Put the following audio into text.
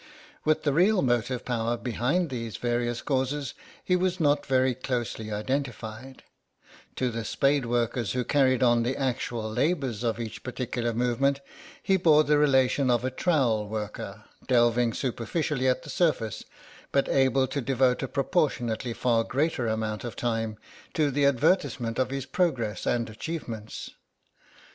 With the real motive power behind these various causes he was not very closely identified; to the spade workers who carried on the actual labours of each particular movement he bore the relation of a trowel worker, delving superficially at the surface, but able to devote a proportionately far greater amount of time to the advertisement of his progress and achievements.